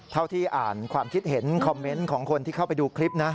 ที่อ่านความคิดเห็นคอมเมนต์ของคนที่เข้าไปดูคลิปนะ